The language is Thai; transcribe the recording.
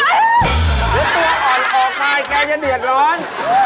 แล้วตัวอ่อนค่ะแกจะเหนียดร้อน